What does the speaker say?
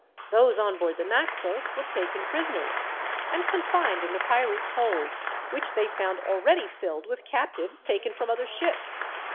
"Those on board the Naxos were taken prisoners, and confined in the pirate's hold, which they found already filled with captives taken from other ships.